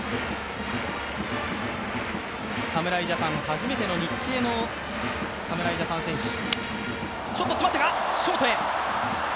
侍ジャパン初めての日系の侍ジャパン戦士。